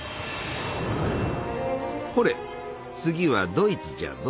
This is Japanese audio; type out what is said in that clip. ほれ次はドイツじゃぞ。